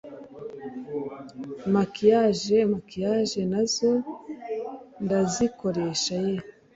makiyaje (maquillage) nazo ndazikoresha ye